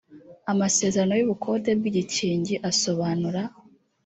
amasezerano y ubukode bw igikingi asobanura